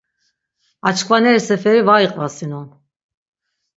Açkvaneri seferi var iqvasinon.